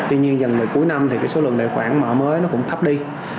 tuy nhiên dần về cuối năm thì số lượng tài khoản mở mới nó cũng thấp đi